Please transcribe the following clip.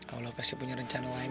allah pasti punya rencana lain